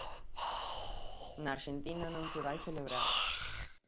Na Arxentina non se vai celebrar.